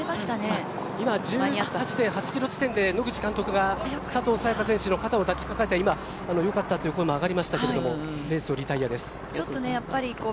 今、１８．８キロ地点で野口監督が佐藤早也伽選手の肩を抱きかかえてよかったという声も上がりましたけど、レースをリタイアです。